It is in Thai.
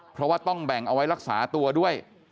เพราะว่าต้องแบ่งเอาไว้รักษาตัวด้วย